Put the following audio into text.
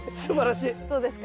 どうですか？